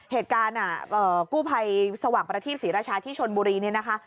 เหตุการณ์กู้ภัยสว่างประทีปศรีราชาที่ชนบุรีเนี่ยนะคะ